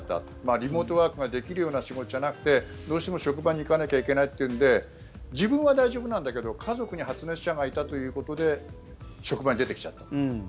リモートワークができるような仕事じゃなくてどうしても職場に行かなきゃいけないということで自分は大丈夫なんだけど家族に発熱者がいたということで職場に出てきちゃった。